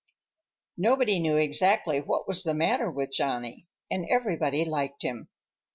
Nobody knew exactly what was the matter with Johnny, and everybody liked him.